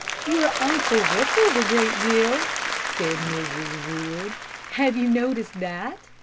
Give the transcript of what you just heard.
"Your uncle whistles a great deal," said Mrs. Wood. "Have you noticed that?